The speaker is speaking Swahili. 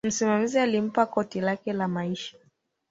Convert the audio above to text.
msimamizi alimpa koti lake la maisha